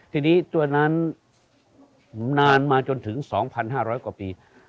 ทีนี้ตัวนั้นนานมาจนถึง๒๕๐๐กว่าปี